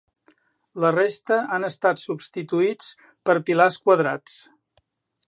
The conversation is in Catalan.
La resta han estat substituïts per pilars quadrats.